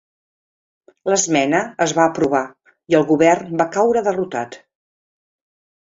L'esmena es va aprovar i el govern va caure derrotat.